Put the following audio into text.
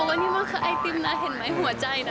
ว่านี่คือไอติ้มนะเห็นไหมหัวใจนะ